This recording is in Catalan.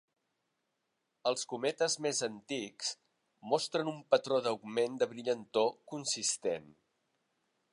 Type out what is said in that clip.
Els cometes més antics mostren un patró d'augment de brillantor consistent.